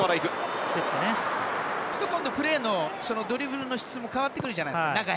そうすると今度プレーのドリブルの質も変わってくるじゃないですか。